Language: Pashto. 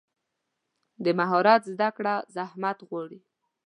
د مهارت زده کړه زحمت غواړي.